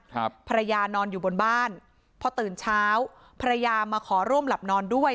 ภรรยานอนอยู่บนบ้านพอตื่นเช้าภรรยามาขอร่วมหลับนอนด้วย